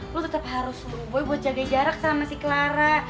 lo tetap harus gue buat jaga jarak sama si clara